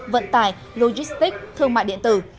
vận tải logistics thương mại điện tử